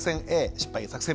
失敗作戦